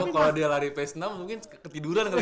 kalau dia lari pace enam mungkin ketiduran kali ya